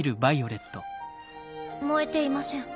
燃えていません。